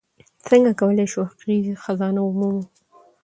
څنګه کولی شو حقیقي خزانه ومومو؟